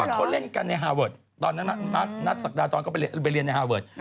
เขาเล่นกันในฮาเวิร์ดตอนนั้นนัทศักดาตอนก็ไปเรียนในฮาเวิร์ด